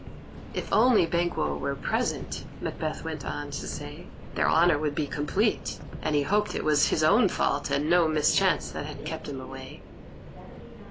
If only Banquo were present, Macbeth went on to say, their honour would be complete, and he hoped it was his own fault, and no mischance, that had kept him away.